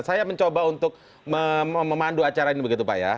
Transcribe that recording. saya mencoba untuk memandu acara ini begitu pak ya